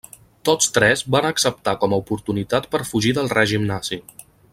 Tots tres van acceptar com a oportunitat per fugir del règim nazi.